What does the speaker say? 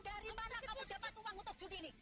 dari mana kamu dapat uang untuk judi ini